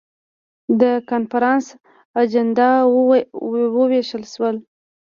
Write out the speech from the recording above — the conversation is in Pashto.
د کنفرانس اجندا وویشل شول.